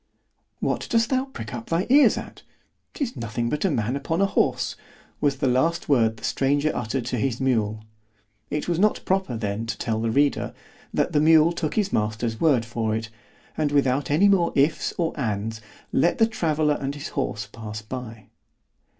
—What dost thou prick up thy ears at?—'tis nothing but a man upon a horse——was the last word the stranger uttered to his mule. It was not proper then to tell the reader, that the mule took his master's word for it; and without any more ifs or ands, let the traveller and his horse pass by.